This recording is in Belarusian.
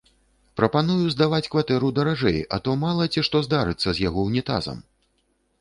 Прапаную здаваць кватэру даражэй, а то мала ці што здарыцца з яго ўнітазам!